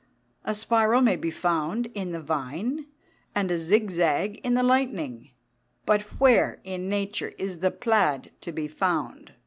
A spiral may be found in the vine, and a zig zag in the lightning, but where in nature is the plaid to be found?